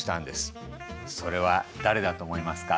それは誰だと思いますか？